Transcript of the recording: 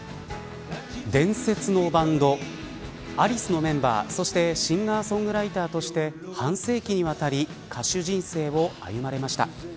伝説のバンドアリスのメンバーそしてシンガーソングライターとして半世紀にわたり歌手人生を歩まれました。